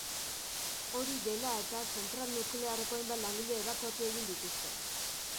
Hori dela eta zentral nuklearreko hainbat langile ebakuatu egin dituzte.